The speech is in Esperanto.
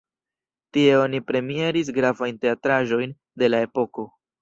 Tie oni premieris gravajn teatraĵojn de la epoko.